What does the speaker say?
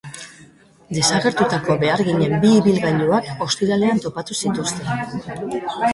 Desagertutako beharginen bi ibilgailuak ostiralean topatu zituzten.